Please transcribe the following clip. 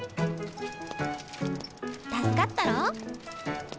助かったろ？